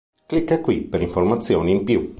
Clicca qui per informazioni in più.